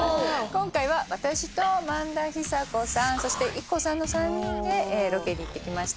今回は私と萬田久子さんそしてＩＫＫＯさんの３人でロケに行ってきました。